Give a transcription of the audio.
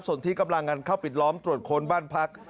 ส่วนที่กำลังกันเข้าปิดล้อมตรวจค้นบ้านพัก